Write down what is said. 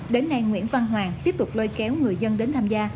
đến nay nguyễn văn hoàng tiếp tục lôi kéo người dân đến tham gia